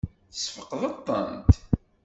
Tesfeqdeḍ-tent?